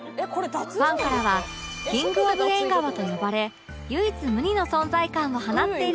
ファンからは「キングオブ縁側」と呼ばれ唯一無二の存在感を放っているのです